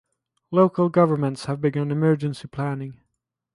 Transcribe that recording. Local governments have begun emergency planning.